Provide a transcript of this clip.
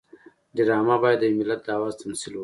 ډرامه باید د یو ملت د آواز تمثیل وکړي